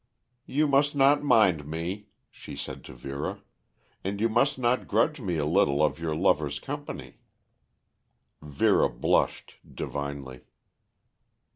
"You must not mind me," she said to Vera. "And you must not grudge me a little of your lover's company." Vera blushed divinely.